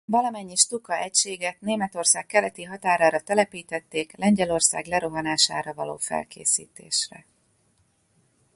Valamennyi Stuka egységet Németország keleti határára telepítették Lengyelország lerohanására való felkészítésre.